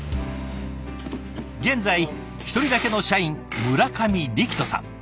現在一人だけの社員村上力斗さん。